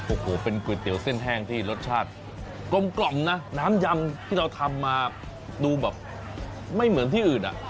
โอ้โหเป็นก๋วยเตี๋ยวเส้นแห้งที่รสชาติกลมนะน้ำยำที่เราทำมาดูแบบไม่เหมือนที่อื่นอ่ะ